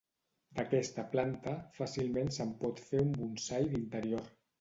D'aquesta planta, fàcilment se'n pot fer un bonsai d'interior.